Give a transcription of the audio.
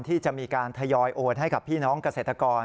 ที่จะมีการทยอยโอนให้กับพี่น้องเกษตรกร